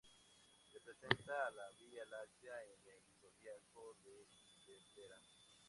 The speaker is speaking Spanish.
Representa a la Vía Láctea en el zodiaco de Dendera.